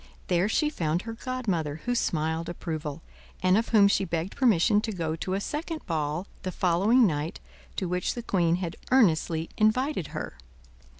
There she found her godmother, who smiled approval; and of whom she begged permission to go to a second ball, the following night, to which the queen had earnestly invited her.